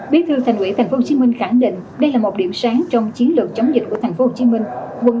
bí thư thành ủy tp hcm khẳng định đây là một điểm sáng trong chiến lược chống dịch của tp hcm